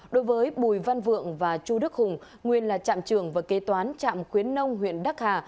đối với bùi văn vượng và chu đức hùng nguyên là trạm trưởng và kế toán trạm khuyến nông huyện đắc hà